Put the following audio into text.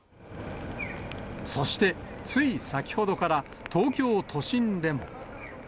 そしてつい先ほどから、東京都心でも。